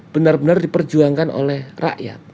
benar benar diperjuangkan oleh rakyat